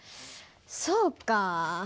そうか。